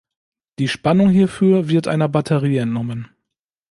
Die Spannung hierfür wird einer Batterie entnommen.